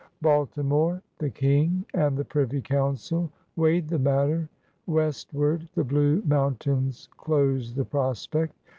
Baltimore, the King, and the Privy G>uncil weighed the matter. Westward, the blue moun tains closed the prospect.